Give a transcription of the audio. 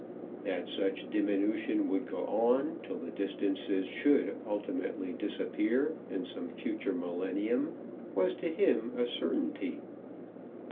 That such diminution would go on till the distances should ultimately disappear in some future millennium was to him a certainty.